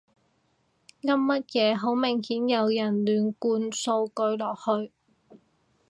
噏乜嘢，好明顯有人亂灌數據落去